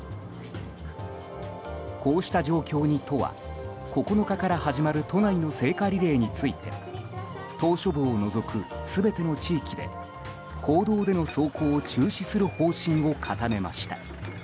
こうした状況に都は９日から始まる都内の聖火リレーについて島しょ部を除く全ての地域で公道での走行を中止する方針を固めました。